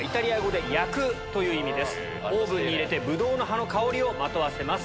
オーブンに入れてブドウの葉の香りをまとわせます。